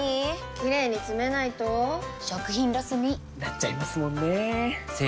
キレイにつめないと食品ロスに．．．なっちゃいますもんねー！